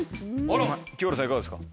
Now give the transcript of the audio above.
あら清原さんいかがですか？